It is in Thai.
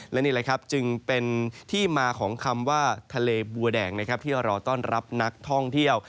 และนี่แหละครับจึงเป็นที่มาของคำว่าทะเลบัวแดงนะครับที่รอต้อนรับนักท่องเที่ยว